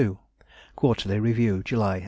Quarterly Review, July, 1832.